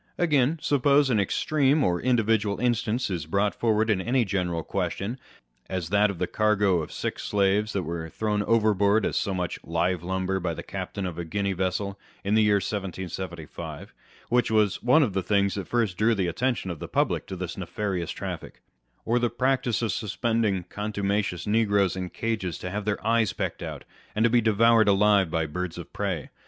Again, suppose an extreme or individual instance is brought forward in any general question, as that of the cargo of sick slaves that were thrown overboard as so much live lumber by the captain of a Guinea vessel, in the year 1775, wThich was one of the things that first drew the attention of the public to this nefarious traffic,1 or the practice of suspending contuma cious negroes in cages to have their eyes pecked out, and to be devoured alive by birds of prey.